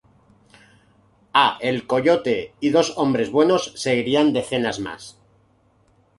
A "El Coyote" y "Dos hombres buenos" seguirían decenas más.